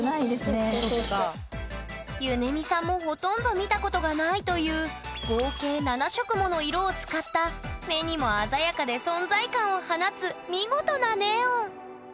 ゆねみさんもほとんど見たことがないという合計７色もの色を使った目にも鮮やかで存在感を放つ見事なネオン。